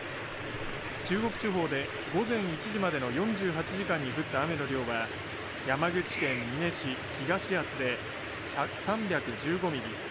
中国地方で午前１時までの４８時間に降った雨の量は山口県美祢市東厚保で３１５ミリ